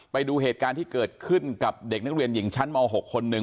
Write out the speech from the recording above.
ไปดูเหตุการณ์ที่เกิดขึ้นกับเด็กนักเรียนหญิงชั้นม๖คนหนึ่ง